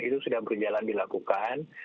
itu sudah berjalan dilakukan